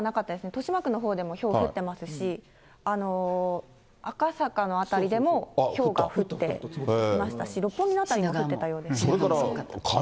豊島区のほうでもひょうが降ってますし、赤坂の辺りでも、ひょうが降ってましたし、六本木の辺りなんかも降ってたようです。